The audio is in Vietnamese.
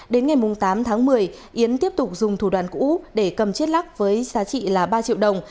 đến ngày tám tháng một mươi yến tiếp tục dùng thủ đoàn cũ để cầm chiếc lắc với giá trị là ba triệu đồng